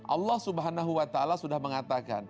allah swt sudah mengatakan